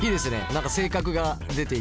何か性格が出ていて。